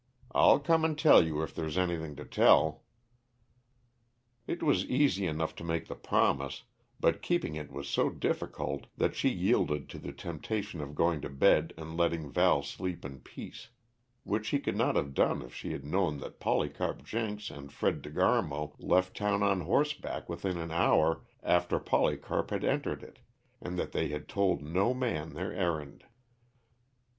I'll come and tell you if there's anything to tell." It was easy enough to make the promise, but keeping it was so difficult that she yielded to the temptation of going to bed and letting Val sleep in peace; which she could not have done if she had known that Polycarp Jenks and Fred De Garmo left town on horseback within an hour after Polycarp had entered it, and that they told no man their errand.